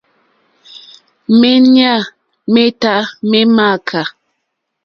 Méɲá métâ mé !mááká.